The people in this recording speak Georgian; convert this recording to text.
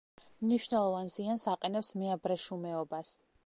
მნიშვნელოვან ზიანს აყენებს მეაბრეშუმეობას.